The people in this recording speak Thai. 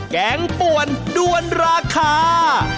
แกงป่วนด้วนราคา